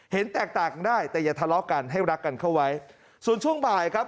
เห็นแตกต่างกันได้แต่อย่าทะเลาะกันให้รักกันเข้าไว้ส่วนช่วงบ่ายครับ